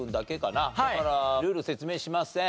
だからルール説明しません。